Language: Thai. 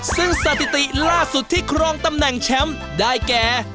ซึ่งสถิติล่าสุดที่ครองตำแหน่งแชมป์ได้แก่